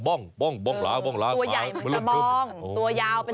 ตัวยาวเป็นหา